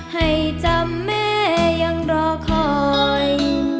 ให้จำแม่ยังรอคอย